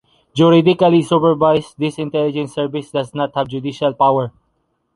Juridically supervised, this intelligence service does not have judicial power.